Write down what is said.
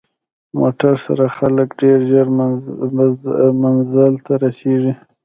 موټر سره خلک ډېر ژر منزل ته رسېږي.